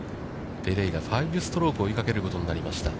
ペレイラ、５ストロークを追いかけることになりました。